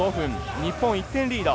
日本、１点リード。